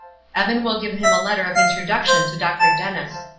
Evan will give him a letter of introduction to Dr. Dennis.